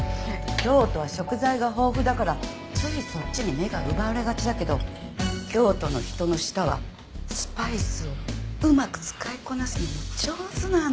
京都は食材が豊富だからついそっちに目が奪われがちだけど京都の人の舌はスパイスをうまく使いこなすのも上手なの。